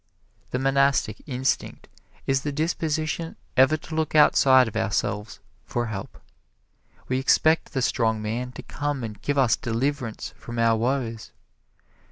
The Monastic Instinct is the disposition ever to look outside of ourselves for help. We expect the Strong Man to come and give us deliverance from our woes.